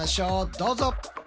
どうぞ。